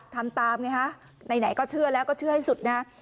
ทำตามไงฮะไหนก็เชื่อแล้วก็เชื่อให้สุดนะฮะ